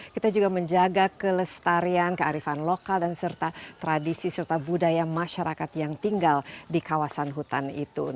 kita juga menjaga kelestarian kearifan lokal dan serta tradisi serta budaya masyarakat yang tinggal di kawasan hutan itu